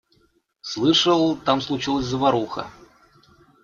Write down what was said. Слышал, там случилась заваруха.